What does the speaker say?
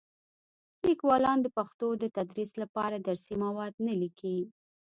لیکوالان د پښتو د تدریس لپاره درسي مواد نه لیکي.